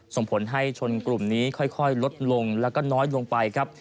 ส่งผลให้ชนกลุ่มนี้ค่อยลดลงแล้วก็น้อยลงไปครับ